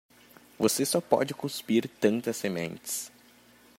Você só pode cuspir tantas sementes.